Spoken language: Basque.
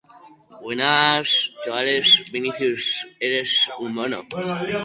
Asko ikusia zen, geroztik, bere bizitza luzean.